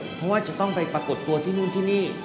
เพราะว่าจะต้องไปปรากฏตัวที่นู่นที่นี่